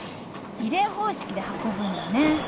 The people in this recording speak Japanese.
リレー方式で運ぶんだね。